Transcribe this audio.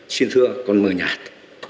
xin thưa con mời nhạt